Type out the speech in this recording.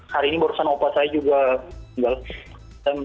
hari ini barusan opa saya juga tinggal